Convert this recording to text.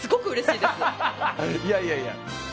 いやいやいや。